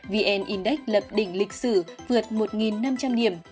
vn index lập đỉnh lịch sử vượt một năm trăm linh điểm